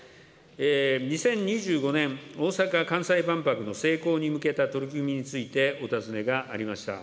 ２０２５年大阪・関西万博の成功に向けた取り組みについてお尋ねがありました。